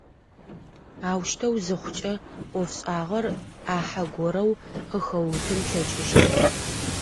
Аущтэу зыхъукӏэ ӏофшӏагъэр ӏахьэ горэу къыхэуутын плъэкӏыщт.